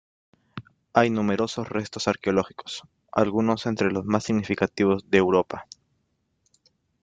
Hay numerosos restos arqueológicos, algunos entre los más significativos de Europa.